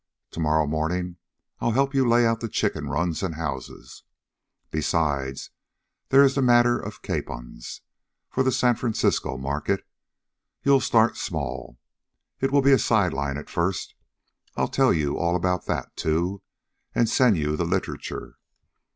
To morrow morning I'll help you lay out the chicken runs and houses. Besides, there is the matter of capons for the San Francisco market. You'll start small. It will be a side line at first. I'll tell you all about that, too, and send you the literature.